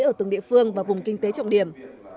ở từng địa phương và vùng kinh tế trọng điểm